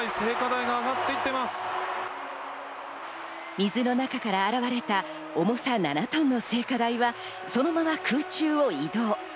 水の中から現れた重さ７トンの聖火台はそのまま空中を移動。